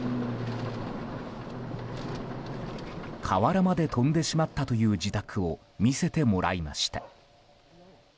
瓦まで飛んでしまったという自宅を見せてもらいました。